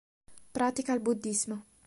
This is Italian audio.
Pratica il buddismo.